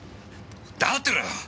黙ってろよ！